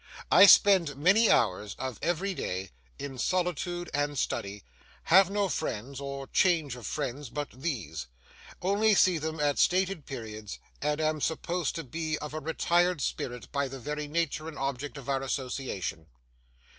I spend many hours of every day in solitude and study, have no friends or change of friends but these, only see them at stated periods, and am supposed to be of a retired spirit by the very nature and object of our association.